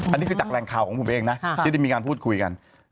อันนี้คือจากแรงข่าวของผมเองนะที่ได้มีการพูดคุยกัน